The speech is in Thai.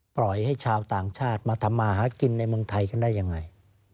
ปล่อยให้ชาวต่างชาติมาทำมาหากินในเมืองไทยกันได้ยังไง